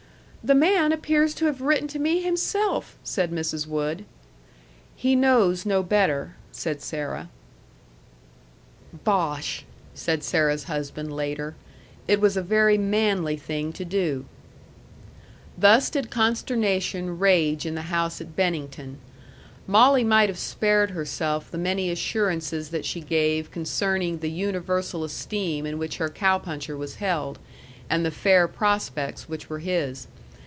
"The man appears to have written to me himself," said Mrs. Wood. "He knows no better," said Sarah. "Bosh!" said Sarah's husband later. "It was a very manly thing to do." Thus did consternation rage in the house at Bennington. Molly might have spared herself the many assurances that she gave concerning the universal esteem in which her cow puncher was held, and the fair prospects which were his.